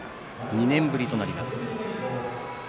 ２年ぶりとなります。